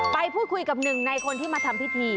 ไปพูดคุยกับหนึ่งในคนที่มาทำพิธี